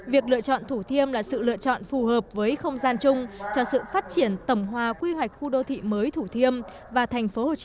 việc lựa chọn thủ thiêm là sự lựa chọn phù hợp với không gian chung cho sự phát triển tổng hòa quy hoạch khu đô thị mới thủ thiêm và tp hcm